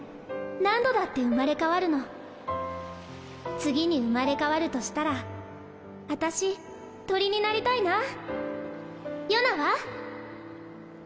何度だって生まれ変次に生まれ変わるとしたら私鳥になりたいなヨナは？